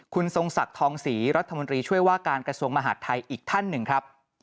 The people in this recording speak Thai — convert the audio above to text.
คุณทรงศักดิ์ทองศรีรัฐมนตรีช่วยว่าการกระทรวงมหาดไทยอีกท่านหนึ่งครับ